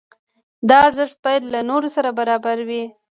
دا ارزښت باید له نورو سره برابر وي.